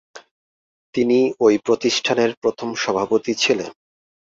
তিনি ঐ প্রতিষ্ঠানের প্রথম সভাপতি ছিলেন।